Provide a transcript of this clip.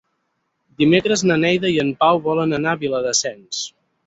Dimecres na Neida i en Pau volen anar a Viladasens.